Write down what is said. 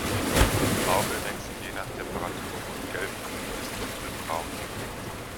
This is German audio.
Die Farbe wechselt je nach Temperatur von gelbgrün bis dunkelbraun.